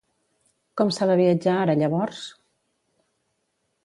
Com s'ha de viatjar ara, llavors?